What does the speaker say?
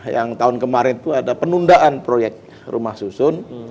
yang tahun kemarin itu ada penundaan proyek rumah susun